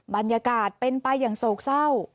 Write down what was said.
บรรยากาศเป็นไปอย่างโศกเศร้า